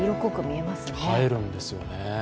映えるんですよね。